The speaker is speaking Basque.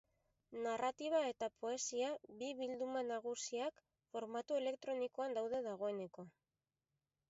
Narratiba eta poesia, bi bilduma nagusiak, formatu elektronikoan daude dagoeneko.